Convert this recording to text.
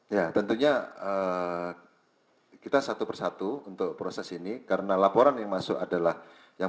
ya tentunya kita satu persatu untuk proses ini karena laporan yang masuk adalah yang